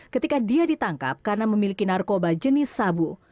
ketika dia ditangkap karena memiliki narkoba jenis sabu